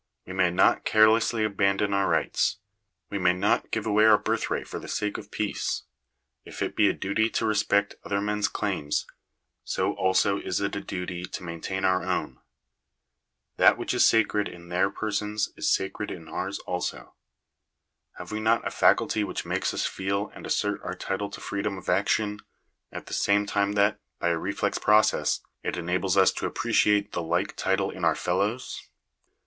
We may not carelessly abandon our rights. We may ' not give away our birthright for the sake of peace. If it be : a duty to respect other men's claims, so also is it a duty to maintain our own. That which is sacred in their persons is sacred in ours also. Have we not a faculty which makes us feel and assert our title to freedom of action, at the same time that, by a reflex process, it enables us to appreciate the like title in our fellows?